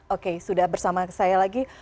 oke sudah bersama saya lagi